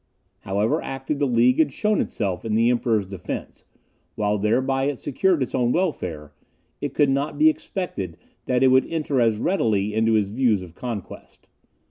However active the League had shown itself in the Emperor's defence, while thereby it secured its own welfare, it could not be expected that it would enter as readily into his views of conquest.